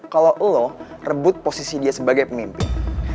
kalau lo rebut posisi dia sebagai pemimpin